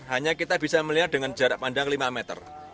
hanya kita bisa melihat dengan jarak pandang lima meter